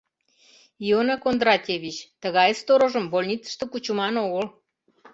— Иона Кондратьевич, тыгай сторожым больницыште кучыман огыл.